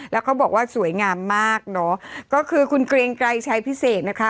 แล้วเขาบอกว่าสวยงามมากเนอะก็คือคุณเกรงไกรชัยพิเศษนะคะ